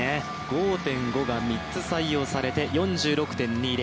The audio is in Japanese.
５．５が３つ採用されて４６．２０。